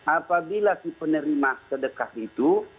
apabila si penerima sedekah itu